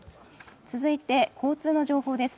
続いて、交通の情報です。